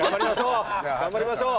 頑張りましょう。